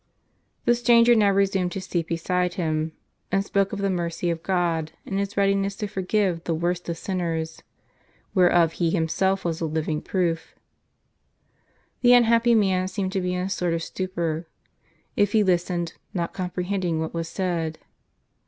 The stranger now resumed his seat beside him, and spoke of the mercy of God, and His readiness to forgive the worst of sinners ; whereof he himself was a living proof. The unhappy man seemed to be in a sort of stupor; if he listened, not comprehending what was said.